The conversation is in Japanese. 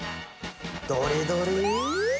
どれどれ。